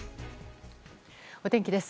お天気です。